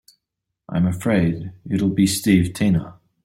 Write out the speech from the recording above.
I'm afraid it'll be Steve Tina.